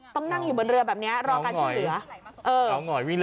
ต้องนั่งอยู่บนเรือแบบนี้รอการช่วยเหลือ